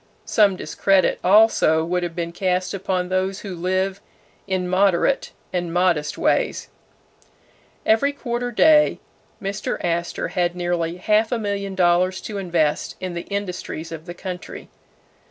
Some discredit also would have been cast upon those who live in moderate and modest ways. Every quarter day Mr. Astor had nearly half a million dollars to invest in the industries of the country.